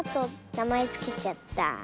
なまえつけちゃった。